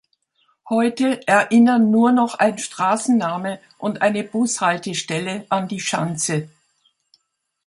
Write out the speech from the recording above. Heute erinnern nur noch ein Straßenname und eine Bushaltestelle an die „Schanze“.